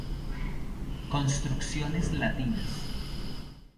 Construcciones latinas.